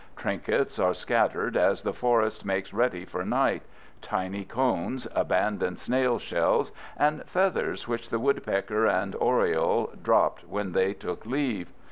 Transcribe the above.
Trinkets are scattered as the forest makes ready for night—tiny cones, abandoned snail shells, and feathers which the woodpecker and oriole dropped when they took leave.